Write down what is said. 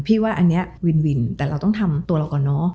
ว่าอันนี้วินวินแต่เราต้องทำตัวเราก่อนเนอะ